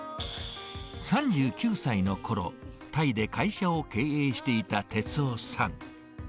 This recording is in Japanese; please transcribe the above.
３９歳のころ、タイで会社を経営していた哲夫さん。